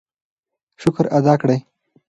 شکر ادا کړئ.